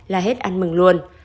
là hết ăn mừng luôn